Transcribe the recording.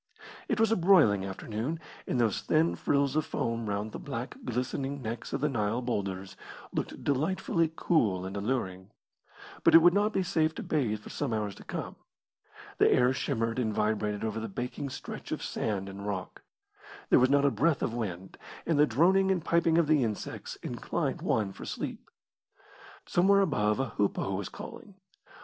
It was a broiling afternoon, and those thin frills of foam round the black, glistening necks of the Nile boulders looked delightfully cool and alluring. But it would not be safe to bathe for some hours to come. The air shimmered and vibrated over the baking stretch of sand and rock. There was not a breath of wind, and the droning and piping of the insects inclined one for sleep. Somewhere above a hoopoe was calling.